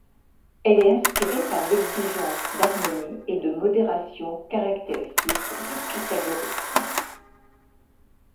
Elle est inspirée par l’exigence d’harmonie et de modération caractéristique du pythagorisme.